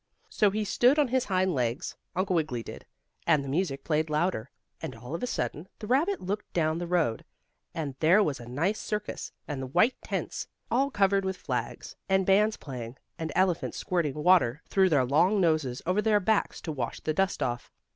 So he stood on his hind legs, Uncle Wiggily did, and the music played louder, and all of a sudden the rabbit looked down the road, and there was a nice circus, with the white tents, all covered with flags, and bands playing, and elephants squirting water through their long noses over their backs to wash the dust off.